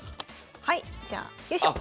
はいじゃあよいしょ。